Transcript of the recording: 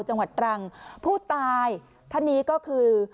จังหวัดตรังผู้ตายท่านนี้ก็คือ